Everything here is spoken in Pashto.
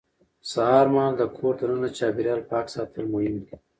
سهار مهال د کور دننه چاپېریال پاک ساتل مهم دي